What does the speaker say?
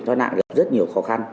thoát nạn gặp rất nhiều khó khăn